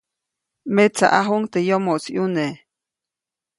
Metsaʼajuʼuŋ teʼ yomoʼis ʼyune.